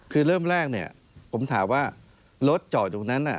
คือเริ่มแรกเนี่ยผมถามว่ารถจอดตรงนั้นเป็นเวลานานแล้ว